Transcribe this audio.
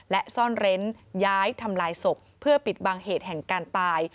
และซ่อนเร้นย้ายทำลายศพเพื่อปิดบังเหตุแห่งการตาย